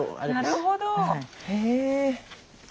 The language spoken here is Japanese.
なるほど。へ！